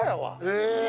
え。